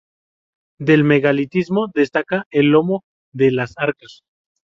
Del megalitismo destaca el Lomo de las Arcas.